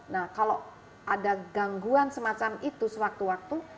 nah kalau ada gangguan semacam itu sewaktu waktu